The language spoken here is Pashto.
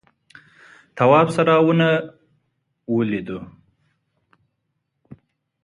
تواب سره ونه ولیده.